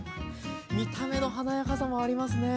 見た目の華やかさもありますね。